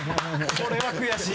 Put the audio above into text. これは悔しい。